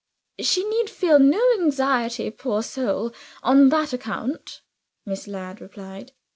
"She need feel no anxiety, poor soul, on that account," Miss Ladd replied.